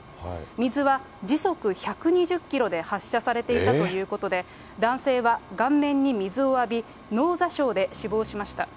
水は時速１２０キロで発射されていたということで、男性は顔面に水を浴び、脳挫傷で死亡しました。